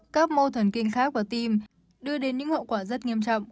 các mô thần kinh khác vào tim đưa đến những hậu quả rất nghiêm trọng